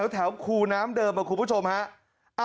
แถวคูน้ำเดิมครับคุณผู้ชมฮะ